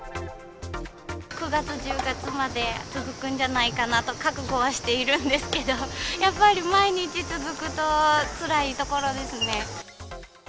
９月、１０月まで続くんじゃないかなと覚悟はしているんですけど、やっぱり毎日続くと、つらいところですね。